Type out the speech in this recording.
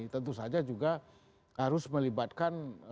tentu saja juga harus melibatkan